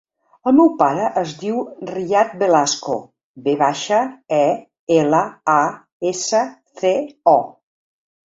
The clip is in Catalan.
El meu pare es diu Riyad Velasco: ve baixa, e, ela, a, essa, ce, o.